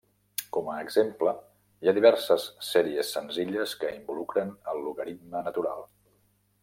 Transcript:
Com a exemple, hi ha diverses sèries senzilles que involucren el logaritme natural.